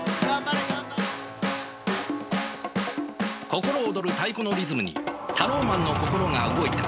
心躍る太鼓のリズムにタローマンの心が動いた。